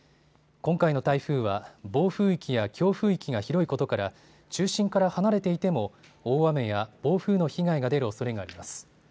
今回の台風は暴風域や強風域が広いことから中心から離れていても大雨や暴風の被害が出るおそれがあります。